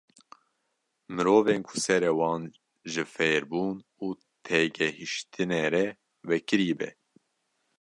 Mirovên ku serê wan ji fêrbûn û têgehîştinê re vekirî be.